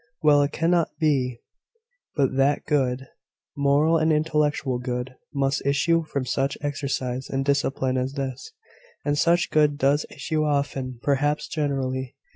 Well! it cannot be but that good moral and intellectual good must issue from such exercise and discipline as this; and such good does issue often, perhaps generally.